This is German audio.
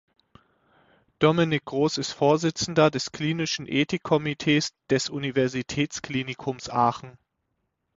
Dominik Groß ist Vorsitzender des Klinischen Ethik-Komitees des Universitätsklinikums Aachen.